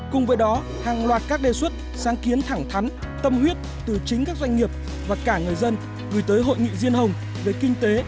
cùng với đó hàng loạt các đề xuất sáng kiến thẳng thắn tâm huyết từ chính các doanh nghiệp và cả người dân gửi tới hội nghị riêng hồng về kinh tế